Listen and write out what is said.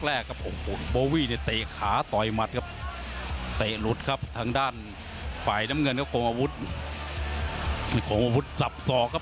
และครูมวยที่เดิมพันธุ์กันในศึกวันทรงชัยครับ